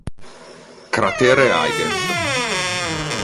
Cratere Huygens